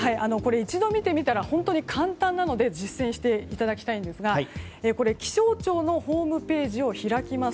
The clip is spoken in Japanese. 一度見てみたら本当に簡単なので実践していただきたいんですが気象庁のホームページを開きます。